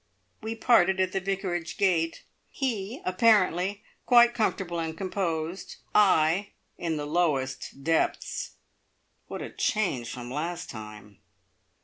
We parted at the Vicarage gate; he apparently quite comfortable and composed, I in the lowest depths. What a change from last time!